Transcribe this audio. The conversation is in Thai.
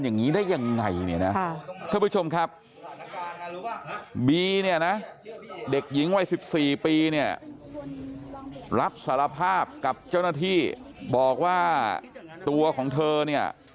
อย่างนี้ได้ยังไงเนี่ยนะท่านผู้ชมครับบีเนี่ยนะเด็กหญิงวัย๑๔ปีเนี่ยรับสารภาพกับเจ้าหน้าที่บอกว่าตัวของเธอเนี่ย